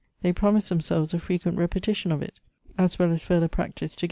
They promised themselves a frequent repetition of it, as well as further practice to Electitb Affinities.